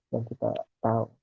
yang kita tahu